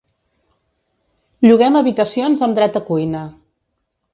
Lloguem habitacions amb dret a cuina.